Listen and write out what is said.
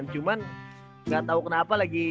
cuma ga tau kenapa lagi